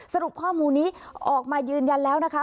สรุปข้อมูลนี้ออกมายืนยันแล้วนะคะ